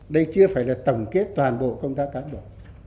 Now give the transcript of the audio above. đây chưa phải là tổng kết toàn bộ công tác cán bộ